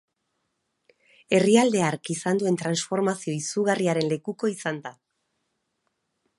Herrialde hark izan duen transformazio izugarriaren lekuko izan da.